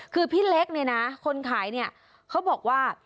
คือพี่เล็กเนี่ยนะคนขายเนี่ยเขาบอกว่า